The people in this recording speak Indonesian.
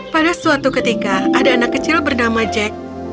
pada suatu ketika ada anak kecil bernama jack